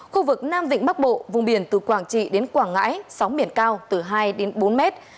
khu vực nam vịnh bắc bộ vùng biển từ quảng trị đến quảng ngãi sóng biển cao từ hai đến bốn mét